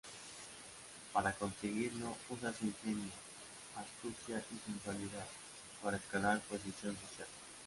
Para conseguirlo usa su ingenio, astucia y sensualidad para escalar posición social.